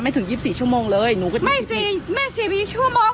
ถึงยี่สิบสี่ชั่วโมงเลยหนูก็ไม่จริงแม่สี่วีชั่วโมง